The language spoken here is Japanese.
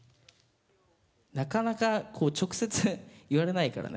なかなか直接言われないからね。